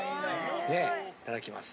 ねいただきます。